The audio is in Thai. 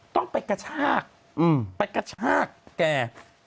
ต้องไปกระชากไปกระชากแก